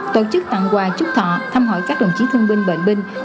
tổ chức tặng quà chúc thọ thăm hỏi các đồng chí thương binh bệnh binh